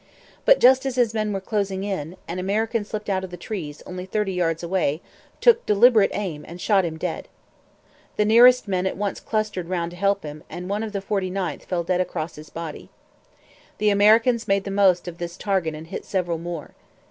But, just as his men were closing in, an American stepped out of the trees, only thirty yards away, took deliberate aim, and shot him dead. The nearest men at once clustered round to help him, and one of the 49th fell dead across his body. The Americans made the most of this target and hit several more.